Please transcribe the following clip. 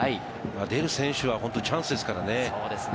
出る選手はチャンスですからね。